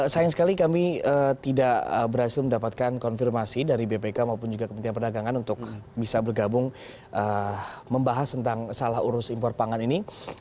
sayang sekali kami tidak berhasil mendapatkan konfirmasi dari bpk maupun juga kementerian perdagangan untuk bisa bergabung membahas tentang salah urus impor pangan ini